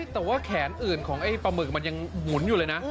แต่ว่าแขนอื่นของไอ้ปลาหมึกมันยังหมุนอยู่เลยนะ